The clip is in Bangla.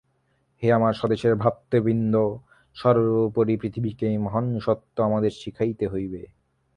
হে আমার স্বদেশীয় ভ্রাতৃবৃন্দ! সর্বোপরি পৃথিবীকে এই মহান সত্য আমাদের শিখাইতে হইবে।